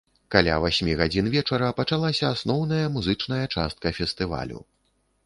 Каля васьмі гадзін вечара пачалася асноўная музычная частка фестывалю.